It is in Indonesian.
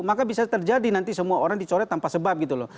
maka bisa terjadi nanti semua orang dicoret tanpa sebab gitu loh